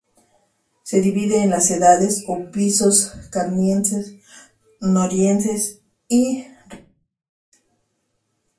Se divide en las edades o pisos Carniense, Noriense y Rhaetiense.